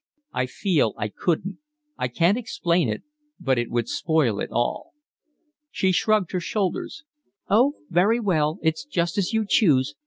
"I feel I couldn't. I can't explain it, but it would spoil it all." She shrugged her shoulders. "Oh, very well, it's just as you choose.